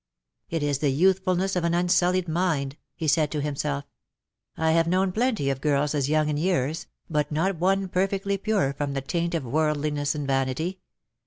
^' It is the youthfulness of an unsullied mind/^ he said to him self; " I have known plenty of girls as young in years, but not one perfectly pure from the taint of worldliness and vanity.